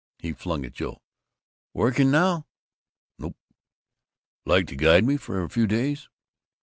He flung at Joe: "Working now?" "Nope." "Like to guide me for a few days?"